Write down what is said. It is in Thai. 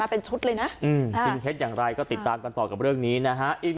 เป็นชุดเลยนะจริงเท็จอย่างไรก็ติดตามกันต่อกับเรื่องนี้นะฮะ